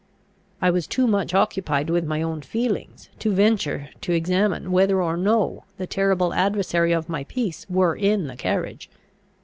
I was too much occupied with my own feelings, to venture to examine whether or no the terrible adversary of my peace were in the carriage.